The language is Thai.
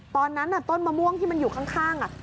ตอนนั้นต้นมะม่วงที่มันอยู่ข้าง